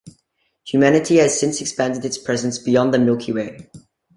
Humanity has since expanded its presence beyond the Milky Way.